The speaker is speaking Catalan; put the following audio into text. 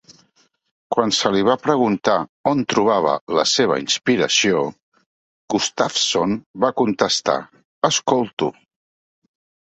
Quan se li va preguntar on trobava la seva inspiració, Gustafsson va contestar: "Escolto".